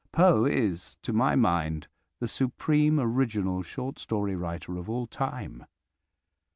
Poe is, to my mind, the supreme original short story writer of all time.